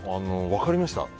分かりました。